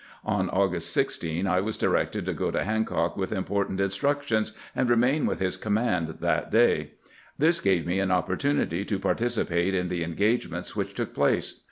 On August 16 I was directed to go to Hancock with important in structions, and remain with his command that day. This gave me an opportunity to participate in the en gagements which took place.